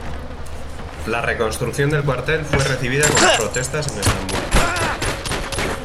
La reconstrucción del cuartel fue recibida con protestas en Estambul.